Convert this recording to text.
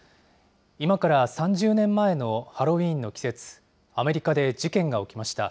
今から３０年前のハロウィーンの季節、アメリカで事件が起きました。